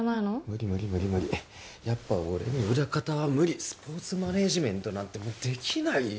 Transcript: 無理無理無理無理やっぱ俺に裏方は無理スポーツマネージメントなんてできないよ